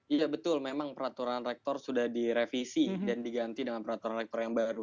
iya betul memang peraturan rektor sudah direvisi dan diganti dengan peraturan rektor yang baru